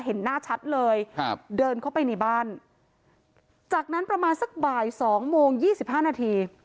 เห็นหน้าชัดเลยครับเดินเข้าไปในบ้านจากนั้นประมาณสักบ่ายสองโมงยี่สิบห้านาที